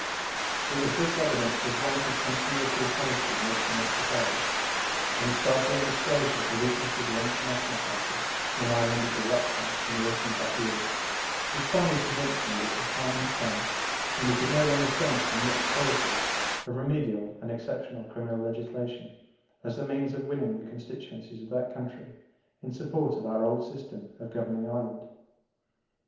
It was this evidence of want of continuity of policy in 1885, and the startling disclosure of the weakness of the anti national party in Ireland at the election in the autumn of that year, which finally convinced me that the time had come when we could no longer turn to a mixed policy of remedial and exceptional criminal legislation as the means of winning the constituencies of that country in support of our old system of governing Ireland.